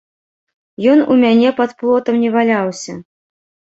Ён у мяне пад плотам не валяўся.